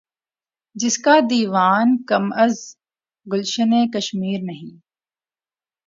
جس کا دیوان کم از گلشنِ کشمیر نہیں